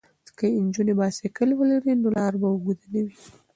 که نجونې بایسکل ولري نو لاره به اوږده نه وي.